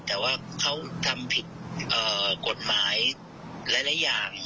แต่ว่าเขาทำผิดกฎหมายหลายอย่าง